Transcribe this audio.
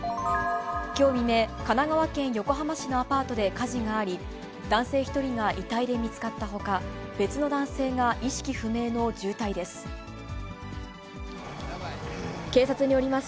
きょう未明、神奈川県横浜市のアパートで火事があり、男性１人が遺体で見つかったほか、別の男性が意識不明の重体です。